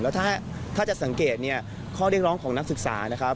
แล้วถ้าจะสังเกตเนี่ยข้อเรียกร้องของนักศึกษานะครับ